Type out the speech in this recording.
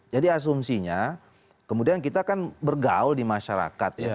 jadi asumsinya kemudian kita kan bergaul di masyarakat